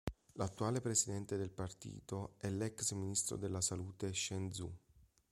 L'attuale presidente del partito è l'ex Ministro della Salute Chen Zhu.